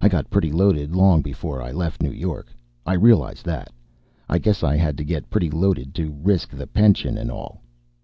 I got pretty loaded long before I left New York. I realize that. I guess I had to get pretty loaded to risk the pension and all.